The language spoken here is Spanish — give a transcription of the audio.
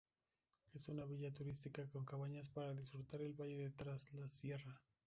Es una villa turística, con cabañas para disfrutar el valle de Traslasierra.